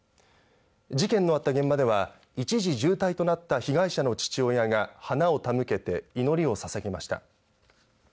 事件のあった現場では一時重体となった被害者の父親が花を手向けて祈りをささげました。